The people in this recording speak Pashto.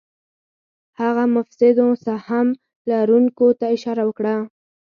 هغه مفسدو سهم لرونکو ته اشاره وکړه.